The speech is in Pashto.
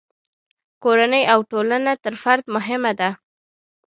کورنۍ او ټولنه تر فرد مهمه ده.